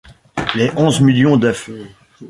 Les onze millions d’œufs.